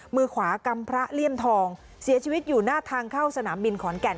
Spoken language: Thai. มือขวากำพระเลี่ยมทองเสียชีวิตอยู่หน้าทางเข้าสนามบินขอนแก่น